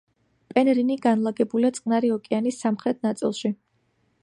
პენრინი განლაგებულია წყნარი ოკეანის სამხრეთ ნაწილში.